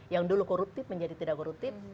yang dulu koruptif menjadi tidak koruptif